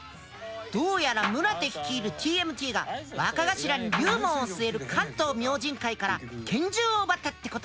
どうやら宗手率いるＴＭＴが若頭に龍門を据える関東明神会から拳銃を奪ったってことだ。